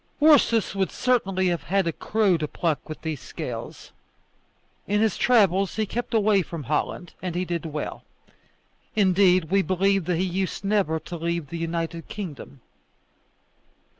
Ursus would certainly have had a crow to pluck with those scales. In his travels he kept away from Holland, and he did well. Indeed, we believe that he used never to leave the United Kingdom.